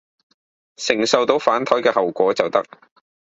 承受到反枱嘅後果就得